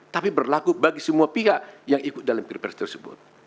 tapi berlaku bagi semua pihak yang ikut dalam pilpres tersebut